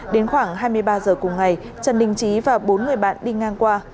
đến khoảng hai mươi ba giờ cùng ngày trần đình trí và bốn người bạn đi ngang qua